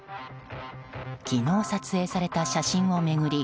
昨日、撮影された写真を巡り